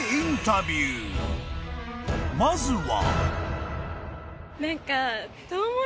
［まずは］